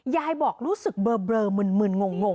ยายบอกรู้สึกเบลอมึนงง